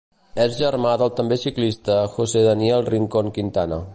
És germà del també ciclista José Daniel Rincón Quintana.